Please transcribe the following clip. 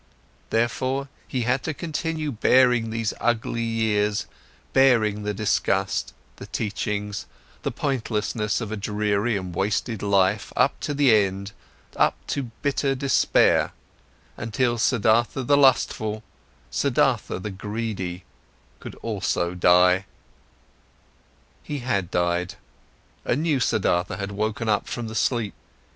Therefore, he had to continue bearing these ugly years, bearing the disgust, the teachings, the pointlessness of a dreary and wasted life up to the end, up to bitter despair, until Siddhartha the lustful, Siddhartha the greedy could also die. He had died, a new Siddhartha had woken up from the sleep.